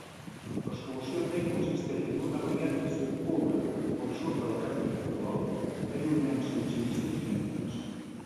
La solució B consisteix en una variant que circula pel sud de la carretera actual, allunyant-se uns cinc-cents metres.